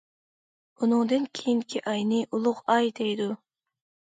ئۇنىڭدىن كېيىنكى ئاينى‹‹ ئۇلۇغ ئاي›› دەيدۇ.